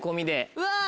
うわ！